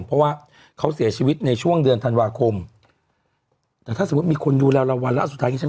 เพราะว่าเขาเสียชีวิตในช่วงเดือนธันวาคมแต่ถ้าสมมุติมีคนดูเราเราวาระสุดท้ายใช่ไหม